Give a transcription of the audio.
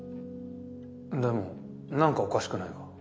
でもなんかおかしくないか？